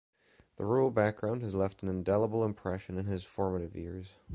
The rural background has left an indelible impression in his formative years.